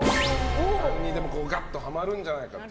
何にでもガッとハマるんじゃないかと。